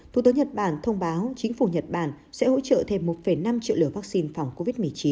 thủ tướng nhật bản thông báo chính phủ nhật bản sẽ hỗ trợ thêm một năm triệu liều vaccine phòng covid một mươi chín